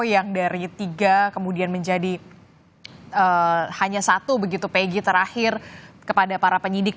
yang dari tiga kemudian menjadi hanya satu begitu peggy terakhir kepada para penyidik